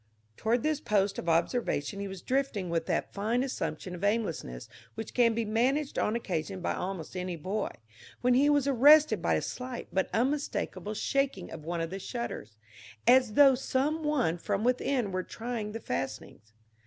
Toward this post of observation he was drifting with that fine assumption of aimlessness which can be managed on occasion by almost any boy, when he was arrested by a slight but unmistakable shaking of one of the shutters, as though some one from within were trying the fastenings.